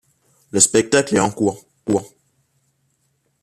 le spectacle est en cours